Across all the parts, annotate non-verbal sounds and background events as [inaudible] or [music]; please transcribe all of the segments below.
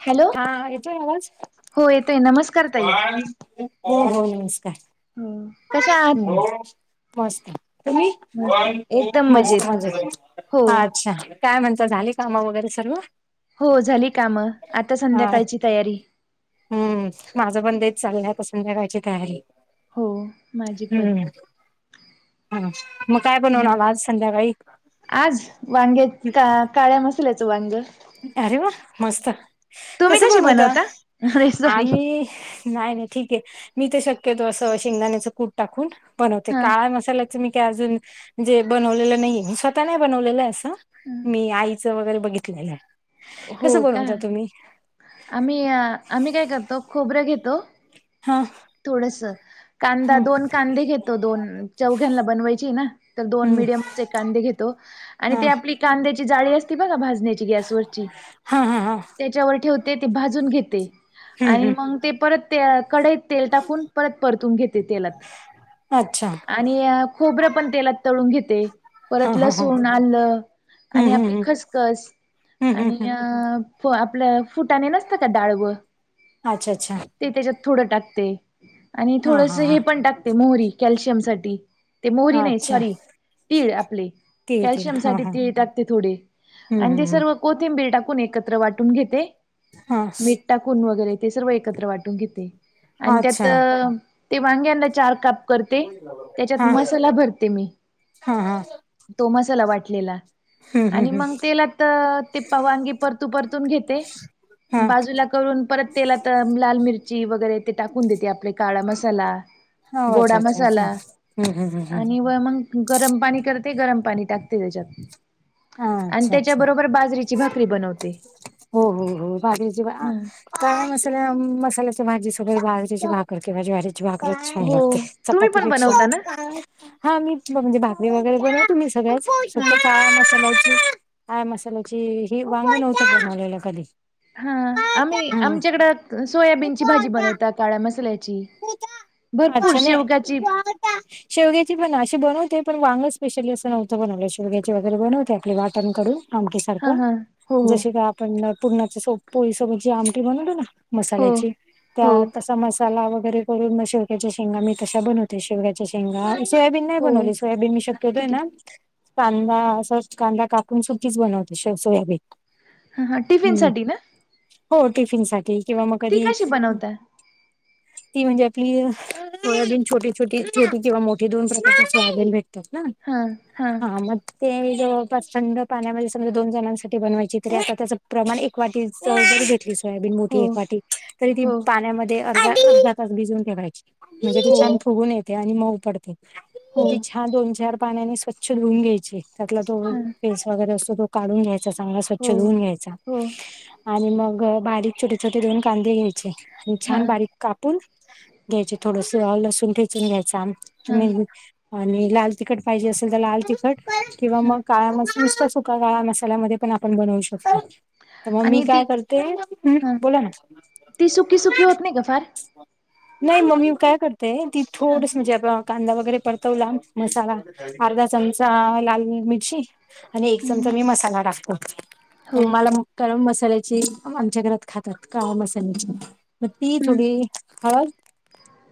Hello हा येतोय आवाज. हो येतोय, नमस्कार! ताई हो नमस्कार! हो. कशा ् आहात मस्त. तुम्ही मस्त एकदम मस्त मजेत म्हज हो अच्छा काय म्हणता झा अच्छा कामा वगैरे सर्व हो झाली काम आता हा संध्याकाळची तयारी. हम्म माझं पण तेच चाललंय संध्याकाळची तयारी. हो माझी पद हम्म हा मग काय पण होणार हम्म आला आज संध्याकाळी. कायम असेलचं वांजे. अरे वा! मस्त तुम्ही कसं कशी बनवता अरे सॉरी आम्ही. नाही नाही ठीके मी तर शक्यतो असं शेंगदाण्याचं कुट. टाकून बनवते हा काळा मसाला. मी का अजून जे बनवलेलं नाहीे मी स्वतः नाही बनवलेलं आहे असं. हम मी आईचं वगैरे बघितलेलं. हो कसं का बनवता तुम्ही? आम्ही आम्ही काय करतो खोबर्या घेतो. हां. थोडस कांदा दोन कांदे घेतो दोन चौघ्यांला बनवायची ना. तर दोन हं मिीडियमचे कांदे घेतो आणि ते हा आपली कांद्याची जाळी असती बघा भाजण्याची गॅसवर हा हा हा त्याच्यावर ठेवते ते भाजून घेते हं आणि हं मग ते परत ते कडई. तेल टाकून परत परतून घेते तेलात. अच्छा! आणि खोबरं पण तेलात तळून घेते, हा परत हा हा लसूण, आलं आणि आपली खसखस ह्म ह्म ह्म. अं आपलं फुटाने नसतं का, डाळव अच्छा अच्छा ते त्याच्यात थोडं टाक ते, आणि हा हा थोडस हा हे पण टाकते मोहरी कॅल्शियम साठी. ते मोहरी हा नाही, अच्छा सॉरी तीळ आपले तीळ तीळ कॅल्शियम हा साठी हा तीळ टाकते थोडे. हं आणि ते हं हं सर्व कोथिंबीर टाकून एकत्र वाटून घेते. हां. मीठ टाकून वगैरे ते सर्व एकत्र वाटून घेते. आणि त्यात, अच्छा ते वांगे ना चार काप करते, त्याच्यात हा मसाला भरते मी, हा हा तो मसाला वाटलेला. हं हं आणि हं मग तेला त ते वांगी परतू परतून घेते हा बाजूला करून परत तेलात लाल मिरची वगैरे ते टाकून देते, आपले काळा मसाला हो अच्छा गोडा अच्छा अच्छा मसाला हम्म हम्म हम्म हम्म आणि व मग गरम पाणी करते, गरम पाणी टाकते त्याच्यात. हा, आणि अच्छा अच्छा त्याच्याबरोबर बाजरीची भाकरी बनवते. हो हो हो बाजरीची ह काळ्या मसाल्या मसाल्याची भाजी सोबत बाजरीची भाकर किंवा ज्वारी ची भाकरच छान हो लागते, तुम्ही चपाती पण पेक्षा बनवता ना हा मी म्हणजे भाकरी वगैरे बनवते तुम्ही सगळ्याच, हा फक्त चाळण [unintelligible] [unintelligible] मसाची हि मसाल्याची ही वांगी नव्हते बनलेल कधी. हं आम्ही हम्म आमच्याकडें सोयाबीनची भाजी बनवता काळ्या मसाल्याची. हो अ भरपूर हो शेवगाची [unintelligible] [inaudible] शेवग्याची पण अशी बनवते, पण वांग स्पेशली असं नव्हत बनवल, शेवग्याची वगैरे बनवते आपल वाटन करून. आमटी हा सारखं, हा हो हो जशी का पण पूर्णाच्या सो पोळीसोबत जी आमटी बनवली ना, हो मसाल्याची त्या हो तसा मस मसाला वगैरे करून मग शेवक्याच्या शेंगा मी तशा बनवते, शेवग्याच्या शेंगा सोयाबीन नाही हो बनवली, सोयाबीन मी ठीक शक्यतो आहे ना ठीक कांदा अस कांदा कापून सुकीच बनवते, सोयाबीन. हं हां, टिफिन हम्म साठी ना? हो टिफिन साठी किंवा मग ती कधी कशी बनवता ती म्हणजे आपली सोयाबीन छोटी-छोटी-छोटी किंवा मोठी दोन प्रकारच्या सोयाबीन भेटतात ना? हा म. ते जवळपास थंड पाण्यामध्ये समजा दोन जणांसाठी बनवायची, तरी आता त्याच प्रमाण एक वाटी सोयाबीन मोठी हो वाटी, तरी ती हो पाण्यामध्ये अर्धा-अर्धा तास भिजून ठेवायची. म्हणजे ती हो छान फुगून येते आणि मऊ पडते, हो ती छान हा दोन-चार पाण्याने स्वच्छ धुवून घ्यायचे, त्यातला तो हा फेस वगैरे असतो तो काढून घ्याय चा, चांगला स्वच्छ हो धुऊन घ्यायचा हो आणि मग बारीक छोटे-छोटे दोन कांदे घ्याय च आणि हा छान बारीक कापून घ्यायचे, थोडस आलं लसण ठेचून घ्यायचं आम हा तुम्ही आणि लाल तिखट पाहिजे असेल तर लाल तिकखट किंवा हा मग काळ मसा नुस्ता सुका काळा मसाल्यामध्ये पण आपण बनवू शकतो. तर मग मी आणि ती काय करते, ह्म हा बोला ना ती सुकी सुकी होत नाही का फार [unintelligible] नाही मग मी काय करते, ती हा थोडस म्हणजे आपण कांदा वगैरे परतवला, मसाला अर्धा चमचा लाल मिरची आणि एक चमचा हम्म मी मसाला टाकतो. प हो मला गरम मसाल्याची आमच्या घरात खातात, काळ्या मसाल्याची मग ती हम्म थोडी हळद,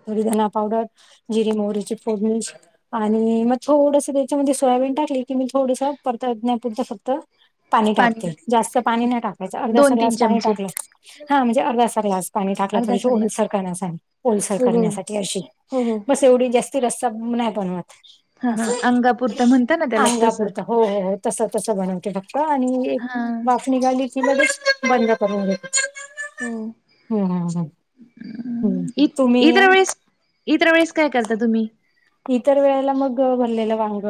थोडी धना पावडर, जिरी मोहरीची फोडणी आणि मग थोडस त्याच्यामध्ये सोयाबीन टाकली की, मी थोडस परता य ना पुरतं फक्त पाणी टाकते जास्त पाणी नाही ओके टाकायचं, अर्धासा दोन तीन ग्लास पाणी चमचे टाकला हा म्हणजे अर्धासाा ग्लास पाणी टाकला थोडीशी अर्धासा ग्लास ओलसर करण्यासाठी ओलसर हो हो करण्यासाठी अ हो हो बस एवढी जास्ती रस्ता नाही बणवत हा अस हा अंगापुरता म्हणता ना त्याला तसं अंगापुरत हो हो हो तस तस बनवते ठक्क आणि एक हा वाफ निघाली बंद करूं हो ह ह इतर वेळेस, इतर वेळेस काय करता तुम्ही? इतर वेळेला मग भरलेलं वांग,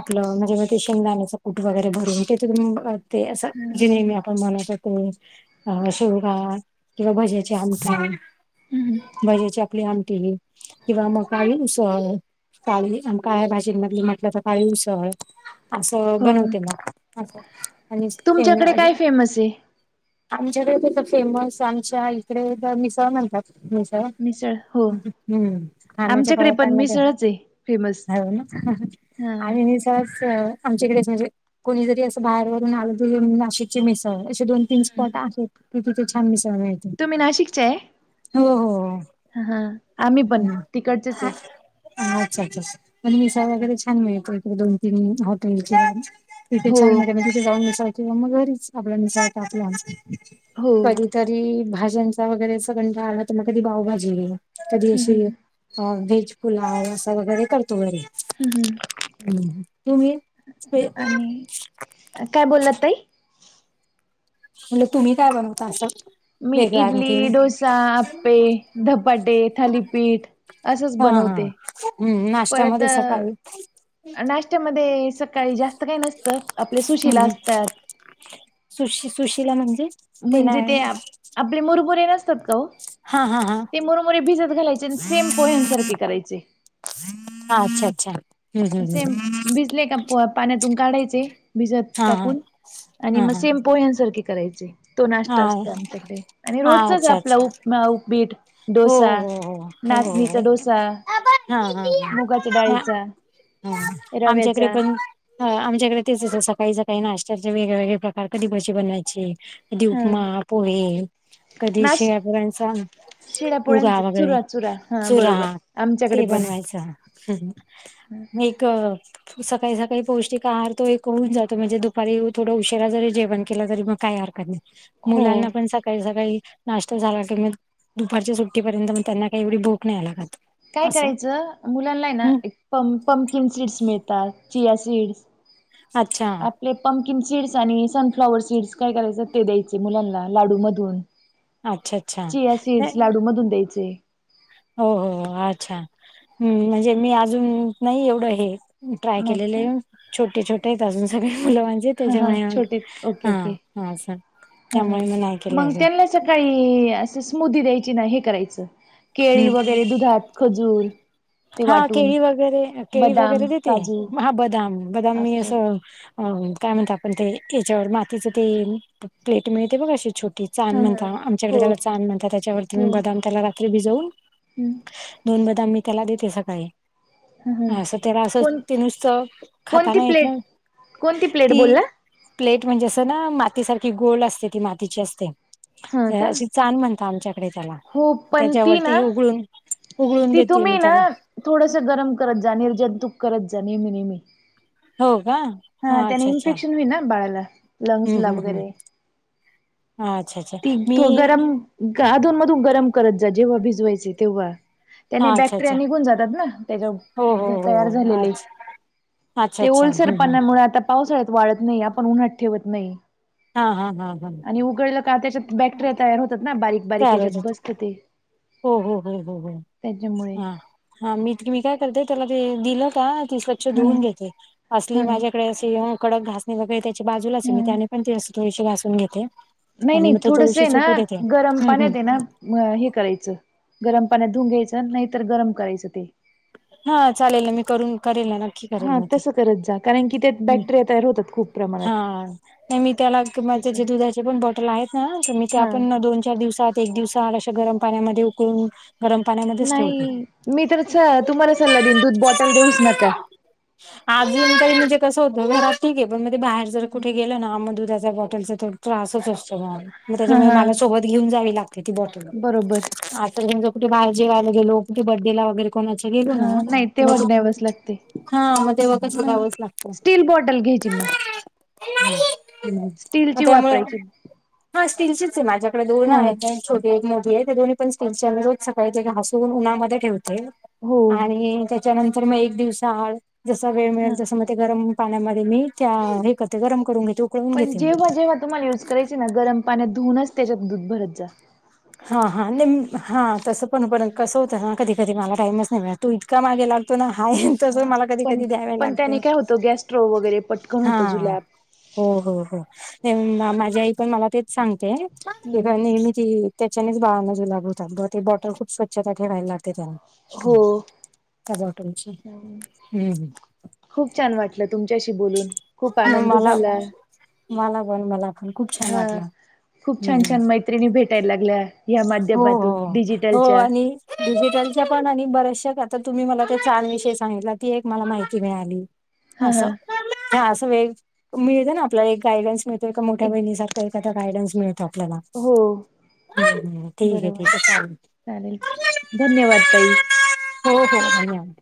आपलं म्हणजे मग ते शेमदाण्याच कुठ वगैरे भरून ते त ते असं जे नेहमी होतो अ शिवगा किंवा भज्याचे आमठाण हम्म वजेची आपली आमटी किंवा मग [unintelligible] काळी आम काळ्या भाजींमधली म्हटलं तर काळी उसळ असं हो बनवते मग. अछा तुमच्याकडे काय फेमस आहे? आमच्याकडे तथ फेमस आमच्या इकडे मिसळ म्हणतात. मिसळ हो हम्म, खाण्याच्या आमच्याकडे पण पळतांमध्ये मिसळच आहे फेमस ह ना हा आणि आमच्याकडे म्हणजे कोणी जरी असं बाहेर वून आलं तरी नाशिकची मिसळ अे दोन प स्पॉट आहे कि तिथे छान मिसाळ मि तुम्ही नाशिकचे आहे? हो. हा आम्ही पण हम्म. तिकडचेच आहे. अच्छा अच्छा पण मिसा वगैरे छान मिळतो इकडे दोन तीन हॉटेलचे तिथे हो छान म्हत म तिथे जाऊन विसाळतें मग घरीच आपल्या मिसाळत आपल्या हो. कधी तरी भाज्यांचा वगैरे सगंट आला तर म कधी पावभाजीई कधी अशी अ बीजपुुलाव आहे असं वगैरे करतो घरी. हम् हम् ह् तुम्ही स्पे आणि, काय बोलला ताई? म्हटलं तुम्ही काय बनवता असं? मी वेगळं आणखीन इडली, डोसा, आपपे, धपाटे, थालीपीठ असंच हा हा बनवते. हम्म परत नाश्त्यामध्ये सकाळी नाशत्यामध्ये सकाळी जास्त काही नसतं आपल्या सुशिला असतात. सुश -सुशिला म्हणजे? ते ना आपली मुरबुरेन हा ते मुरमरी भिजत घालायचे आणि सेम पोह्यांसारखे करायचे. ह अच्छा अच्छा हम्म सेम हम्म भिजले का पाण्यातून काढायचे भिजत हम्म हा टाकून आणि हा मग सेम पोह्यांसारखी करायचे तो नाश्ता हा हा असतो आमच्याकडे आणि हा रोजचाच अच्छा आपला अच्छा उपमा उपीठ हो हो हो डोसा हा ह मुगाच्या डाळीचा ह आमच्याकडे रव्याचा पण आमच्याकडे तेच सकाळी सकाळी नाशत्याचे वेगळेवेेगळे प्रकार कधी भजी बनवायची. हा उपमा, पोहे कधी नाश शियापर्चा शिळ्या उगा पोळ्यांचा वगैरे, चुरा चुरा हा चुरा बरोबर आमच्याकडे ते पण बनवायच. मी एक सकाळी सकाळी पौष्टिक आहार तो एक होऊन जातो म्हणजे दुपारी थोडा उशिरा जरी जेवण केला तरी मग काय आर हो मुलांना पण सकाळी सकाळी नाष्ट झाला की दुपारच्या सुट्टीपर्यंत मग त्यांना काही एवढी भोक नाही लागत. काय असं करायचं मुलांना ना हम्म प पंकीन सीड्स मिळतात, चिया सीड्स अच्छा लेपम किम सीड्स आणि सनफ्लाॉवर सीड्स काय करायचं ते द्यायचे मुलांना लाडूमधून अच्छा अच्छा चिया सीड्स नाही लाडू मधून द्यायचे. हो हो अच्छा हम् म्हणजे मी अजून नाही एवढं हे ट्राय नाही केलेले का आहे, छोटे, छोटे आहेत अजून सगळे मुलं माझे. हा हा त्याच्यामुळे छोटे ओके हा ओके हा असं हा हा त्यामुळे मी नाही केलं मग आजूण. त्यांना सकाळी असं स्मूदी द्यायची ना हे करायचं केळी, हम्म वगैरे दुधात खजूर ते हा वाटून केळी वगैरे, केळी बदाम वगैरे, देते काजू म हा बदाम, बदाम मी अक्रोड असं अ काय म्हणत आपण ते याच्यावर मातीच ते प्लेट मिळते बघ अशी छोटी चान हा हा म्हणता, आमच्याकडे हो त्याला चान, म्हणता, त्याच्यावरती म बदाम त्याला रात्री भिजवून हूं दोन बदाम मी त्याला देते सकाळी. हा हा असं त्याला असं कोण ते नुसतं खाता कोणती नाही येत प्लेट ना. कोणती प्लेट बोलल? ती प्लेट म्हणजे असं ना, माती सारखी गोल असते ती, मातीची असते. हा का चाान म्हणता आमच्याकडे त्याला, हो पण ती त्याच्यावरती ना उगळून उगळून देतीय मी त्याला. थोडसं गरम करत जा निर्जंतूक करत जा नेहमी, नेहमी. हो का हा त्याने अच्छा अच्छा इन्फेक्शन होईन बाळाला. लंग्स हम्म ला हम्म हम्म वगैरे अच्छा अच्छा ती मी तो गरम अधून मधून गरम करत जा, जेव्हा भिजवायचे तेव्हा. त्याने हा अच्छा बॅक्टेरिया अच्छा निघून जातात ना, त्याच्या हो हो झ हो तयार हो झालेले अच्छा अच्छा ते अच्छा ओलसर पणामुळे,, आता पावसाळ्यात वाळत नाही आपण उन्हात ठेवत नाही. हा हा हा हा! आणि उकळलं का, त्याच्यात बॅक्टेरिया तयार होतात ना बारीक. बारीक तयार व्हायचं याच्यात बसत ते हो हो हो हो हो त्याच्यामुळे हा! हा मी मी काय करते त्याला ते दिलं का, ती स्वच्छ हा धुवून घेते असली हा माझ्या कडे असे कडक घासणी वगैरे त्याची बाजूलाच हे, मी हा त्याने पण ती असं थोडीशी घासून घेते. नही आणि नही मग ते थोडस थोडीशी हे ना सुकू देते गरम पाण्यात हे ना हे करायचं, गरम पाण्यात धुन घ्यायचं, नाहीतर गरम करायचं ते. हा चालेल ना मी करून करेल ना. नक्की करेल हा मी ते तसं करत जा, कारन की त्यात हम्म. बॅक्टेरिया तयार होतात खूप हा प्रमाणात. नाही मी त्याला किंवा तस त्याचे दुधाचे पण बॉटल आहेत ना, तर मी त्या हा पण दोन, चार दिवसात एक दिवसा आड, अशा गरम पाण्यामध्ये उकळून गरम पाण्या नाही मी तर तुम्हाला चं सल्ला दिन दूध बॉटल देऊच नका. अजून काही म्हणजे कसं होतं घरात ठीक हे, पण मध्ये बाहेर जर कुठे गेलं ना, म दुधाच्या बॉटलचा थोडा त्रासच असतो. म हा त्याच्यामुळे हा माला सोबत घेऊन जावी लागते ती बॉटल. बरोबर आत तर घेऊन जाऊ. कुठ बाहेर जेवायला गलाे, कुठ बड्डे ला वगेरे. कोणाच गेलो हा ना नाही म तेव्हा ते, द्यावच लागते हा म तेव्हा कस जावचं लाग स्टील बॉटल घ्यायची म. हूं हूं म स्टीलची त्यामुळं वापरायची हा स्टिलचीच ये माझ्याकड दोन हा आहे त्यां. छोटी एक, मोठी एक, त्यां दोन्ही पण स्टिलच्या मी रोज सकाळी ते घासून उन्हामध्ये ठेवते. हो आणि त्याच्यानंतर म एक दिवसा आड, जसा वेळ हा मिळेल तस म ते गरम पाण्यामध्ये मी त्या हे करते, गरम करून घेते ऊक पण जेव्हा, जेव्हा, तुम्हाला युज करायची ना, गरम पाण्यात धुवूनच त्याच्यात दूध भरत जा. हा हा, ने म हा तसं पण, पण कसं होतं ना, कधी, कधी माला टाईमच नाहीे मिळत. तो इतका मागे लागतो ना हाय तस हा मला कधी, पण कधी द्यावे पण लागते त्याने काय होतं गॅस्ट्रो वगैरे पटकन होतं हा. जुलाब. हो हो हो नई मा माझी आई पण मला तेच सांगते, तें हम्म. काय नेहमी ची त्याच्यानेच बाळांना जुलाब होतात ग, ते बॉटल खूप स्वच्छता ठेवायला लागते त्याला. हो हूं त्या बॉटलची हूं हूं! खूप छान वाटलं तुमच्याशी बोलून, खूप आनंद मला झाला. मला पण मला पण खूप छान हा वाटलं खूप छान हम् छान मैत्रिणी भेटायला लागल्या ह्या हो माध्यमातून हो डिजिटलच्या आणि डिजिटलच्या पण आणि बऱ्याशा आता तुम्ही मला ते छान विषय सांगितला ती एक मला माहिती मिळाली. हा असं हा असं वेग मिळत ना आपल्याला एक गायडन्स मिळ ते एका मोठ्या एक बहिणीसारख एखादा गायडन्स मिळतो आपल्याला. हो बरोबर आहे चालेल धन्यवाद ताई. हो हो धन्यवाद.